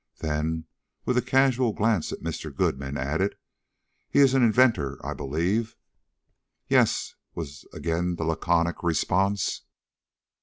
Then, with a casual glance at Mr. Goodman, added: "He is an inventor, I believe?" "Yes," was again the laconic response.